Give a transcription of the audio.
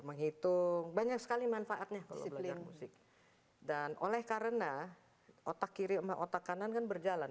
menghitung banyak sekali manfaatnya kesiplinan musik dan oleh karena otak kiri sama otak kanan kan berjalan